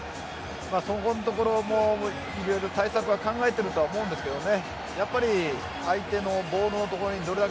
そこのところも、いろいろ対策は考えていると思うんですけどね。